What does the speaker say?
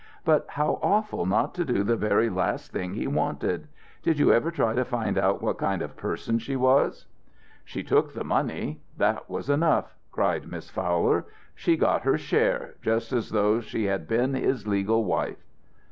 "But how awful not to do the very last thing he wanted! Did you ever try to find out what kind of a person she was?" "She took the money. That was enough," cried Miss Fowler. "She got her share, just as though she had been his legal wife."